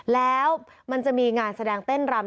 แล้วมันจะมีงานแสดงเต้นรำ